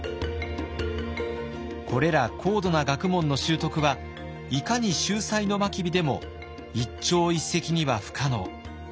これら高度な学問の習得はいかに秀才の真備でも一朝一夕には不可能。